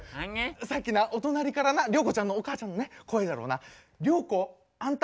さっきなお隣からなりょうこちゃんのお母ちゃんのね声じゃろうな「りょうこあんた